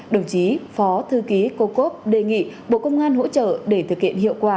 đồng chí phó thư ký kokov đề nghị bộ công an hỗ trợ để thực hiện hiệu quả